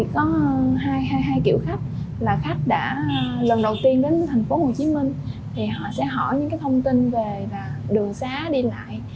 có hai kiểu khách là khách đã lần đầu tiên đến tp hcm thì họ sẽ hỏi những thông tin về đường xá đi lại